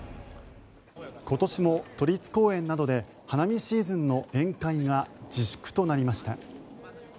今年も都立公園などで花見シーズンの宴会が自粛となりました。